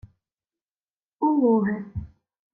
— У Луги.